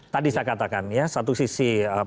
tadi saya katakan ya satu sisi